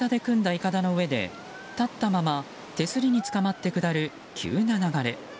いかだの上で立ったまま手すりにつかまって下る急な流れ。